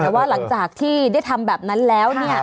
แต่ว่าหลังจากที่ได้ทำแบบนั้นแล้วเนี่ย